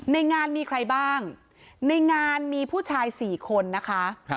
ในงานมีใครบ้างในงานมีผู้ชาย๔คนนะคะ